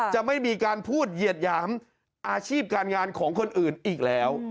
จะไม่มีการพูดเหยียดหยามอาชีพการงานของคนอื่นอีกแล้ว